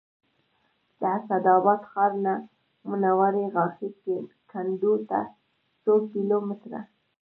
د اسداباد ښار نه منورې غاښي کنډو ته څو کیلو متره